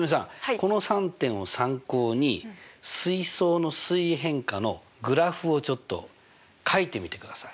この３点を参考に水槽の水位変化のグラフをちょっとかいてみてください。